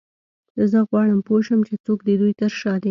زه غواړم پوه شم چې څوک د دوی تر شا دی